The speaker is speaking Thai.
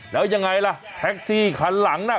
แล้วยังไงล่ะแท็กซี่คันหลังน่ะ